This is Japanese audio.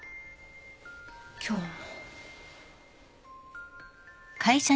今日も。